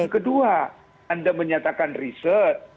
kedua anda menyatakan riset